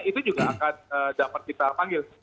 itu juga akan dapat kita panggil